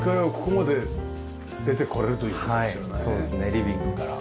リビングから。